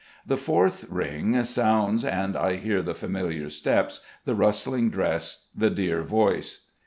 The fourth ring sounds, and I hear the familiar steps, the rustling dress, the dear voice.